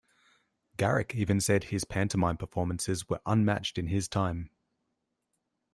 Garrick even said his pantomime performances were unmatched in his time.